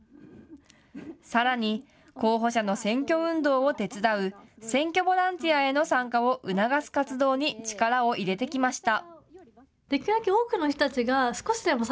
さらに候補者の選挙運動を手伝う選挙ボランティアへの参加を促す活動に力を入れてきました。